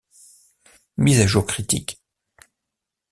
Mise à jour critique.